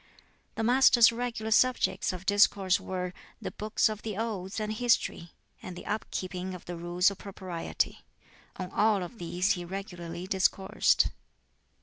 The Master's regular subjects of discourse were the "Books of the Odes" and "History," and the up keeping of the Rules of Propriety. On all of these he regularly discoursed.